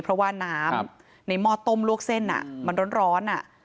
เพราะว่าน้ำในหม้อต้มลวกเส้นมันร้อน